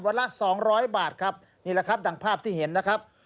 ละสองร้อยบาทครับนี่แหละครับดังภาพที่เห็นนะครับ